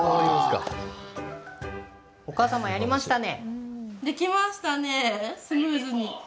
お母様、やりましたね。